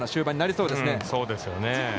そうですよね。